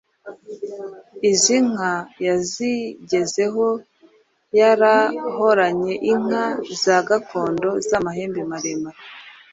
Izi nka yazigezeho yarahoranye inka za gakondo z’amahembe maremare.